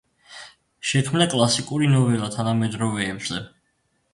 შექმნა კლასიკური ნოველა თანამედროვეებზე.